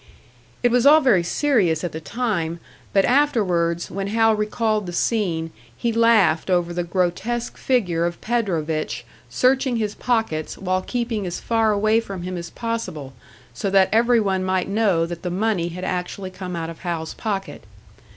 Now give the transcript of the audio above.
It was all very serious at the time, but afterwards, when Hal recalled the scene, he laughed over the grotesque figure of Predovich searching his pockets while keeping as far away from him as possible, so that every one might know that the money had actually come out of Hal's pocket.